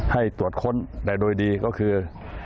ให้ตรวจค้นแต่โดยดีก็คือ